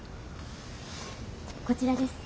こちらです。